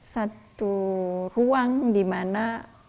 satu ruang di mana